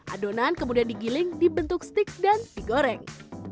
adonan kemudian digiling dibentuk stik dan digoreng